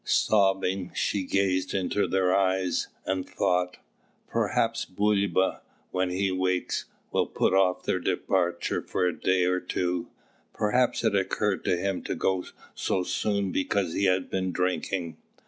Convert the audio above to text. Sobbing, she gazed into their eyes, and thought, "Perhaps Bulba, when he wakes, will put off their departure for a day or two; perhaps it occurred to him to go so soon because he had been drinking."